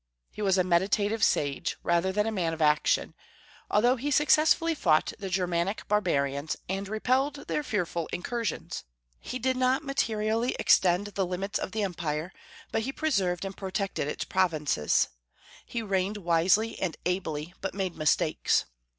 He was a meditative sage rather than a man of action; although he successfully fought the Germanic barbarians, and repelled their fearful incursions. He did not materially extend the limits of the Empire, but he preserved and protected its provinces. He reigned wisely and ably, but made mistakes.